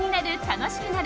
楽しくなる！